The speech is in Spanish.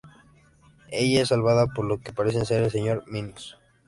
Ella es salvada por lo que parece ser el señor Minos.